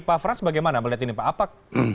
pak frans bagaimana melihat ini pak